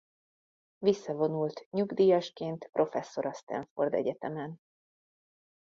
Visszavonult nyugdíjasként professzor a Stanford Egyetemen.